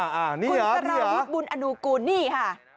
คุณสารวุฒิบุญอนูกูลนี่ค่ะ